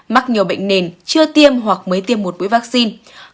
mắc nhiều bệnh nền chưa tiêm hoặc mới tiêm một mũi vaccine